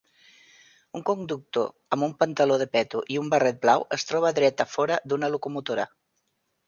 Un conductor amb un pantaló de peto i un barret blau es troba dret a fora d'una locomotora.